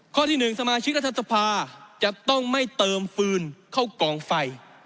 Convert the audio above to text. ข้อที่๑สมาชิกรัฐสภาจะต้องไม่เติมฟืนเข้ากองไฟ